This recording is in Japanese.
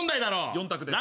４択です。